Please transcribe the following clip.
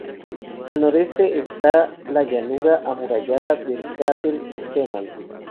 Al noroeste está la llanura amurallada del cráter Zeeman.